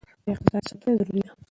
د اقتصاد ساتنه ضروري ده.